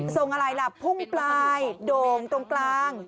อะไรล่ะพุ่งปลายโด่งตรงกลาง